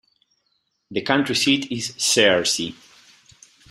The county seat is Searcy.